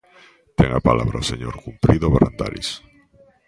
Ten a palabra o señor Cumprido Brandarís.